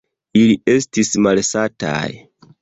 Ili estis malsataj.